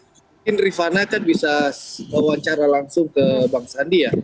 mungkin rifana kan bisa wawancara langsung ke bang sandi ya